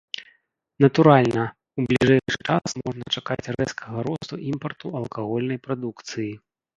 Натуральна, у бліжэйшы час можна чакаць рэзкага росту імпарту алкагольнай прадукцыі.